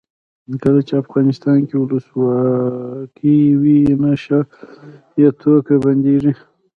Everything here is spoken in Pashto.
کله چې افغانستان کې ولسواکي وي نشه یي توکي بندیږي.